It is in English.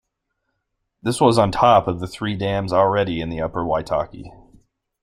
This was on top of the three dams already in the upper Waitaki.